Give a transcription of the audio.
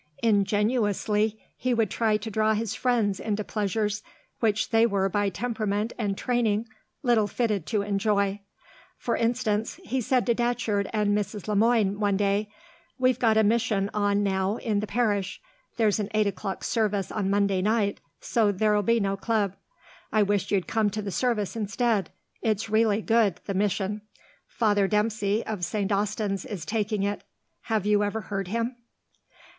Ingenuously, he would try to draw his friends into pleasures which they were by temperament and training little fitted to enjoy. For instance, he said to Datcherd and Mrs. Le Moine one day, "We've got a mission on now in the parish. There's an eight o'clock service on Monday night, so there'll be no club. I wish you'd come to the service instead; it's really good, the mission. Father Dempsey, of St. Austin's, is taking it. Have you ever heard him?"